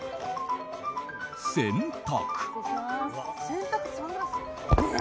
洗濯。